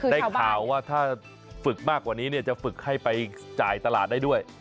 ได้ข่าวว่าถ้าฝึกมากกว่านี้จะฝึกให้ไปจ่ายตลาดได้ด้วย